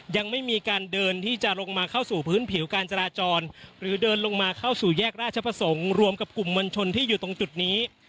ยังไม่มีการเดินที่จะลงมาเข้าสู่พื้นผิวการจราจรหรือเดินลงมาเข้าสู่แยกราชประสงค์รวมกับกลุ่มมวลชนที่อยู่ตรงจุดนี้